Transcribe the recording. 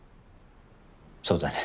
そうだね。